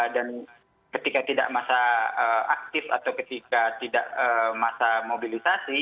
dan ketika tidak masa aktif atau ketika tidak masa mobilisasi